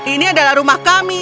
ini adalah rumah kami